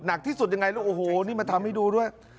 หนักที่สุดยังไงลูกโอ้โหนี่มาทำให้ดูด้วย